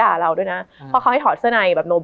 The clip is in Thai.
มันทำให้ชีวิตผู้มันไปไม่รอด